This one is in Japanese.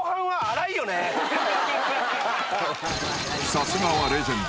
［さすがはレジェンド。